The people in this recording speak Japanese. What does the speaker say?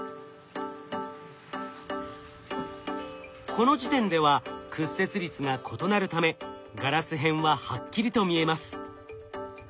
この時点では屈折率が異なるためガラス片ははっきりと見えます。